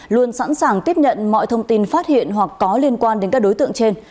luôn sẵn sàng tiếp nhận mọi thông tin phát hiện hoặc có liên quan đến các đối tượng trên